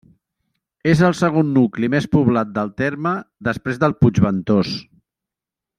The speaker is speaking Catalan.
És el segon nucli més poblat del terme, després del Puigventós.